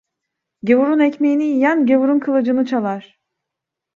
Gavurun ekmeğini yiyen gavurun kılıcını çalar.